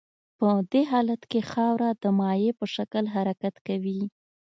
په دې حالت کې خاوره د مایع په شکل حرکت کوي